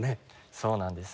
そうなんです。